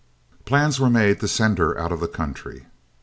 Plans were made to send her out of the country.